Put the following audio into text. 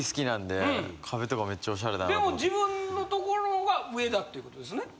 でも自分のところが上だってことですね？